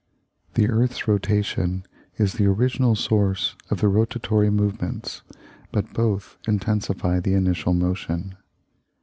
The earth's rotation is the original source of the rotatory movements, but both intensify the initial motion.